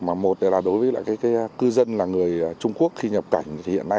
mà một là đối với cư dân là người trung quốc khi nhập cảnh